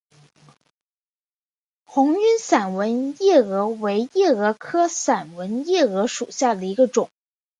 红晕散纹夜蛾为夜蛾科散纹夜蛾属下的一个种。